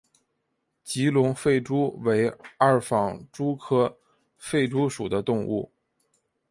吉隆狒蛛为二纺蛛科狒蛛属的动物。